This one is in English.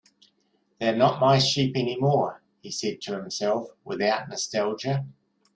"They're not my sheep anymore," he said to himself, without nostalgia.